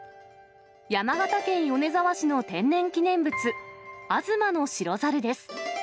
山形県米沢市の天然記念物、吾妻の白猿です。